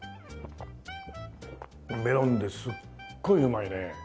メロンですっごいうまいね。